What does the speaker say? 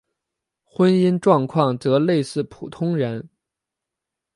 婚姻状况则类似普通人。